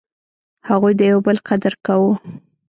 هغوی د یو بل قدر کاوه.